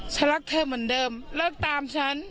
ฉันรักเธอเหมือนเดิมเลิกตามฉัน